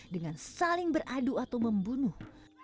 dengan saling beradu atau membunuh